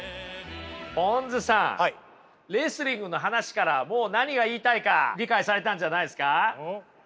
ぽんづさんレスリングの話からもう何が言いたいか理解されたんじゃないですか？